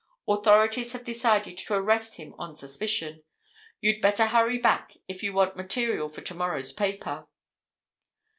Authorities have decided to arrest him on suspicion. You'd better hurry back if you want material for to morrow's paper."